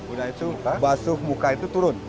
udah itu basuh muka itu turun